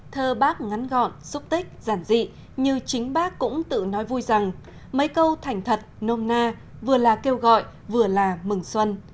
thơ bác ngắn gọn xúc tích giản dị như chính bác cũng tự nói vui rằng mấy câu thành thật nôm na vừa là kêu gọi vừa là mừng xuân